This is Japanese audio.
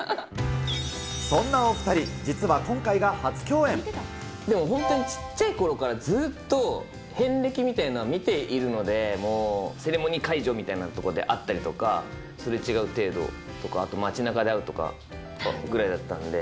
そんなお２人、実は今回が初でも本当に小っちゃいころから、ずっと遍歴みたいなの見ているので、もうセレモニー会場みたいな所で会ったりとか、すれ違う程度とか、あと街なかで会うとかぐらいだったんで。